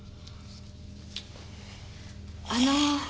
あの。